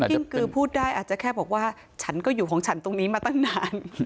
กิ้งกือพูดได้อาจจะแค่บอกว่าฉันก็อยู่ของฉันตรงนี้มาตั้งนาน